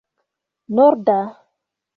norda